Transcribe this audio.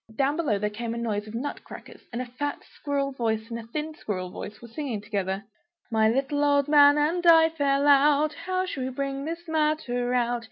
Down below there was a noise of nut crackers, and a fat squirrel voice and a thin squirrel voice were singing together "My little old man and I fell out, How shall we bring this matter about?